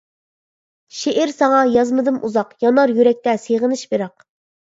شېئىر ساڭا يازمىدىم ئۇزاق، يانار يۈرەكتە سېغىنىش بىراق.